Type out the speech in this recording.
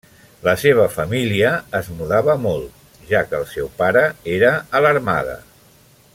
La seva família es mudava molt, ja que el seu pare era a l'armada.